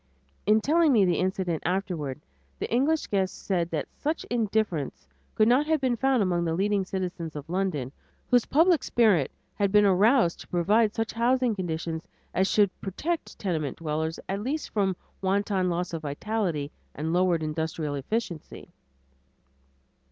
In telling me the incident afterward, the English guest said that such indifference could not have been found among the leading citizens of London, whose public spirit had been aroused to provide such housing conditions as should protect tenement dwellers at least from wanton loss of vitality and lowered industrial efficiency.